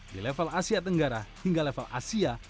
di level asia tenggara hingga level asia